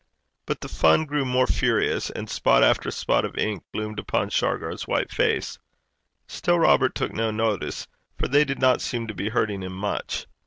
But the fun grew more furious, and spot after spot of ink gloomed upon Shargar's white face. Still Robert took no notice, for they did not seem to be hurting him much.